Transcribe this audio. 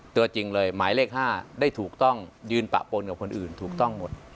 ตัวจริงเลยหมายเลข๕ได้ถูกต้องยืนปะปนกับคนอื่นถูกต้องหมด